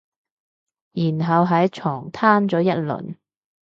然後喺床攤咗一輪